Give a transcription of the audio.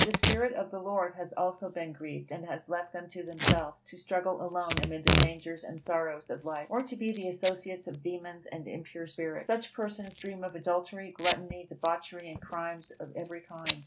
The Spirit of the Lord has also been grieved, and has left them to themselves, to struggle alone amid the dangers and sorrows of life; or to be the associates of demons and impure spirits. Such persons dream of adultery, gluttony, debauchery, and crimes of every kind.